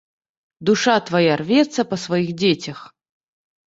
Душа твая рвецца па сваіх дзецях?